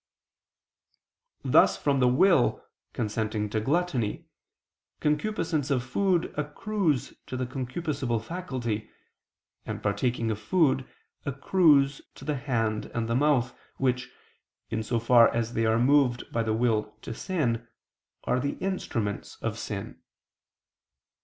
Thus from the will consenting to gluttony, concupiscence of food accrues to the concupiscible faculty, and partaking of food accrues to the hand and the mouth, which, in so far as they are moved by the will to sin, are the instruments of sin.